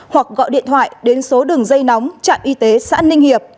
hoặc gọi điện thoại đến số đường dây nóng trạm y tế xã ninh hiệp